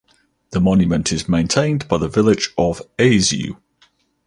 The monument is maintained by the village of Aasu.